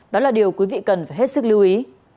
đó là điều quý vị cần phải hết sức lưu ý